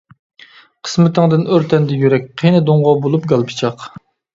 قىسمىتىڭدىن ئۆرتەندى يۈرەك، قىينىدىڭغۇ بولۇپ گال پىچاق.